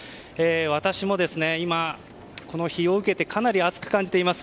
私も今、日を受けてかなり暑く感じています。